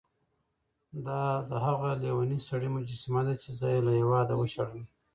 دا د هغه لېوني سړي مجسمه ده چې زه یې له هېواده وشړلم.